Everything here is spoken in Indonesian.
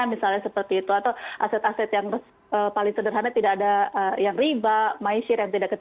misalnya seperti itu atau aset aset yang paling sederhana tidak ada yang riba maisir yang tidak kecil